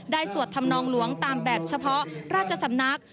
สวดธรรมนองหลวงตามแบบเฉพาะราชสำนัก